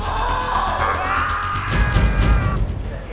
โอ๊ยฮ่าไหว